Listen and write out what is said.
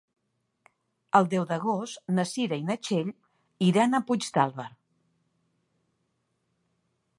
El deu d'agost na Cira i na Txell iran a Puigdàlber.